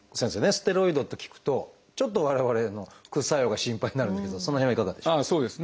ステロイドって聞くとちょっと我々副作用が心配になるんですがその辺はいかがでしょう？